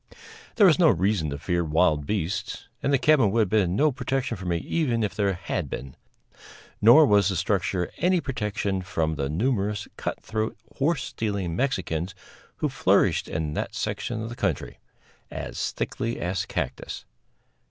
There was no reason to fear wild beasts and the cabin would have been no protection for me even if there had been; nor was the structure any protection from the numerous cut throat, horse stealing Mexicans who flourished in that section of the country as thickly as cactus.